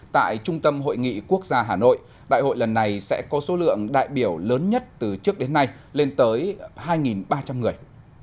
tại trung tâm hội nghị quốc gia hà nội đại hội lần này sẽ có số lượng đại biểu lớn nhất từ trước đến nay lên tới hai ba trăm linh người